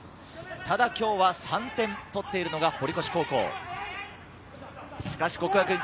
ただ今日は３点取っているのが堀越高校。